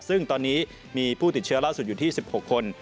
ซึ่งตอนนี้มีผู้ติดเชื้อล่าสุดอยู่ที่๑๖คน